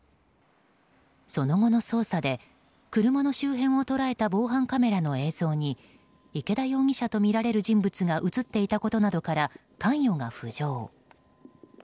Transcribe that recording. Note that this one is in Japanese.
その後の捜査で車の周辺を捉えた防犯カメラの映像に池田容疑者とみられる人物が映っていたことなどから関与が浮上。